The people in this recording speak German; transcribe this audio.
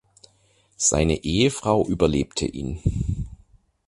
Seine Ehefrau überlebte ihn.